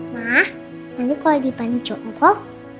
ma nanti kalau dibanding cowok kok kayak dibanding juga ya